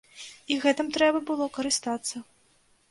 І гэтым трэба было карыстацца.